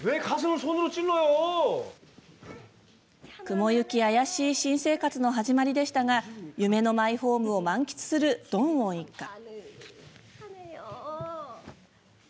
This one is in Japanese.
雲行き怪しい新生活の始まりでしたが夢のマイホームを満喫するドンウォン一家。